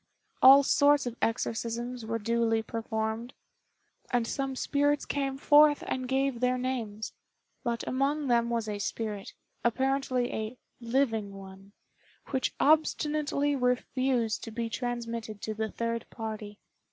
All sorts of exorcisms were duly performed, and some spirits came forth and gave their names. But among them was a spirit, apparently a "living one," which obstinately refused to be transmitted to the third party.